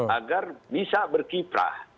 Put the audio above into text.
agar bisa berkiprah